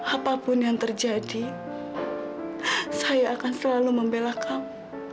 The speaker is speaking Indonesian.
apapun yang terjadi saya akan selalu membela kau